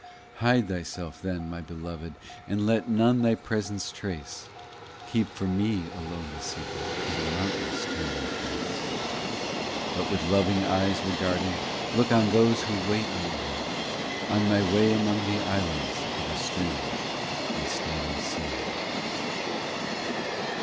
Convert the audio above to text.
19 Hide Thyself, then, my Beloved, And let none Thy presence trace, Keep for me alone the secret; To the mountains turn Thy face ; But with loving eyes regarding, Look on those who wait on me On my way among the islands Of a strange and stormy sea.